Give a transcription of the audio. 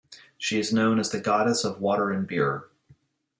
She is known as the goddess of water and beer.